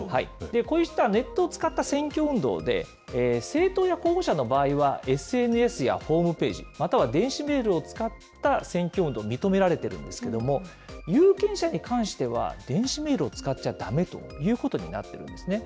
こういう人は、ネットを使った選挙運動で、政党や候補者の場合は、ＳＮＳやホームページ、または電子メールを使った選挙運動、認められてるんですけども、有権者に関しては、電子メールを使っちゃだめということになっているんですね。